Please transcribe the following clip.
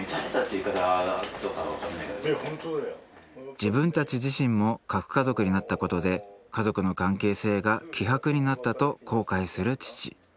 自分たち自身も核家族になったことで家族の関係性が希薄になったと後悔する父。